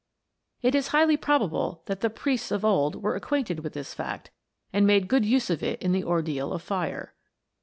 It is highly probable that the priests of old were acquainted with this fact, and made good use of it in the ordeal of fire.